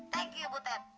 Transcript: thank you butet